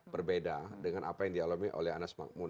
berbeda dengan apa yang dialami oleh anas makmun